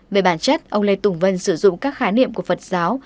về bản chất ông lê tùng vân sử dụng các khái niệm của phật giáo